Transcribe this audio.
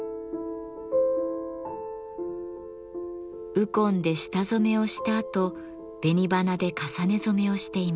鬱金で下染めをしたあと紅花で重ね染めをしています。